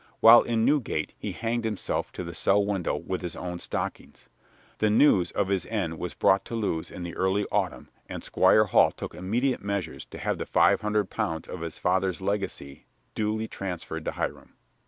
While in Newgate he hanged himself to the cell window with his own stockings. The news of his end was brought to Lewes in the early autumn and Squire Hall took immediate measures to have the five hundred pounds of his father's legacy duly transferred to Hiram.